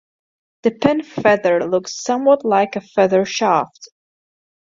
The pin feather looks somewhat like a feather shaft.